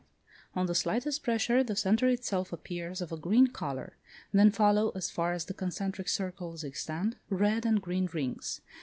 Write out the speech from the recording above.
On the slightest pressure the centre itself appears of a green colour. Then follow as far as the concentric circles extend, red and green rings.